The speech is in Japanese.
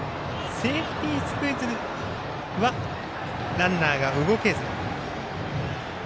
セーフティースクイズはランナーが動けず。